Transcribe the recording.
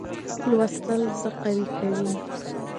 لوستل زه قوي کوي.